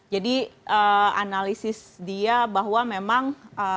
jadi analisis dia bahwa memang